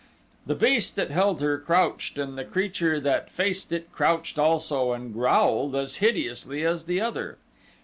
The beast that held her crouched and the creature that faced it crouched also, and growled as hideously as the other.